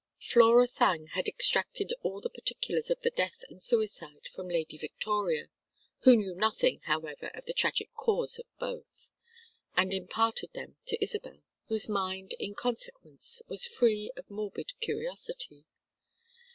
Flora Thangue had extracted all the particulars of the death and suicide from Lady Victoria who knew nothing, however, of the tragic cause of both and imparted them to Isabel, whose mind, in consequence, was free of morbid curiosity.